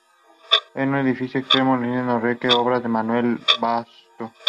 Es un edificio exento, de estilo neorrománico, obra de Manuel del Busto.